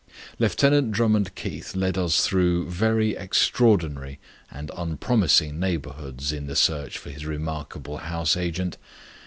Lieutenant Drummond Keith led us through very extraordinary and unpromising neighbourhoods in the search for his remarkable house agent.